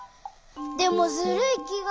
でもズルいきが。